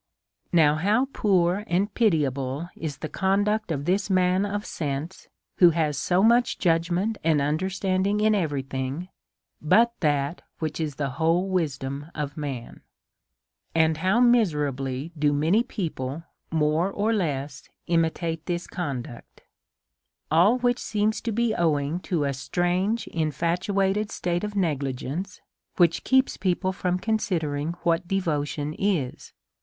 Now, how poor and pitiable is the conduct of this man of sense, who has so much judgment and under standing in every thing but that which is the whole wisdom of man ! And how miserably do many people more or less imitate this conduct! All which seems to be owing to a strange infatuated state of negligence, w hich keeps people from consi dering what devotion is.